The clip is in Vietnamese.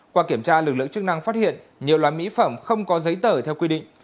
qua kiểm tra lực lượng chức năng phát hiện nhiều loại mỹ phẩm không có giấy tờ theo quy định